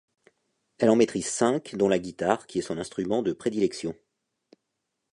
Elle en maitrise cinq dont la guitare qui est son instrument de prédilection.